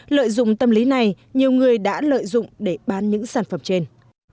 lợi dụng tâm lý này nhiều người đã lợi dụng để bán những sản phẩm trên